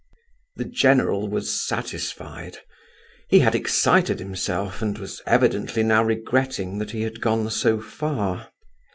The general was satisfied. He had excited himself, and was evidently now regretting that he had gone so far.